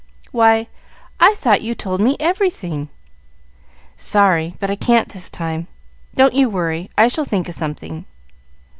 "Why, I thought you told me everything." "Sorry, but I can't this time. Don't you worry; I shall think of something."